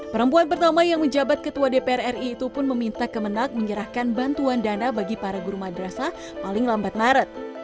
perempuan pertama yang menjabat ketua dpr ri itu pun meminta kemenang menyerahkan bantuan dana bagi para guru madrasah paling lambat maret